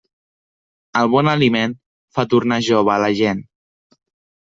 El bon aliment fa tornar jove a la gent.